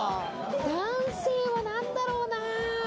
男性は何だろうな？